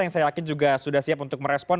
yang saya yakin juga sudah siap untuk merespon